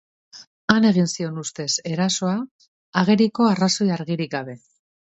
Han egin zion, ustez, erasoa, ageriko arrazoi argirik gabe.